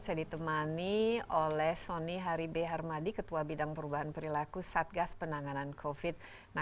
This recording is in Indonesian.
saya ditemani oleh sony haribe harmadi ketua bidang perubahan perilaku satgas penanganan covid sembilan belas